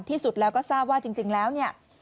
ที่สุดแล้วก็ทราบว่าจริงแล้วเนี่ย